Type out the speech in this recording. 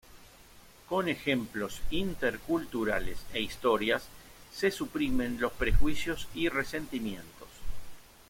Con ejemplos interculturales e historias se suprimen los prejuicios y resentimientos.